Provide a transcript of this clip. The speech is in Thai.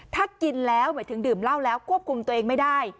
ถ้ากินแล้วหมายถึงดื่มเหล้าแล้วควบคุมตัวเองไม่ได้